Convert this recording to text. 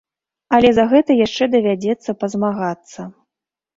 Але за гэта яшчэ давядзецца пазмагацца.